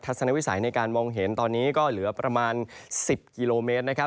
สนวิสัยในการมองเห็นตอนนี้ก็เหลือประมาณ๑๐กิโลเมตรนะครับ